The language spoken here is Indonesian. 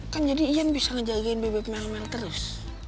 kan jadi ian bisa ngejagain bebek melmel terus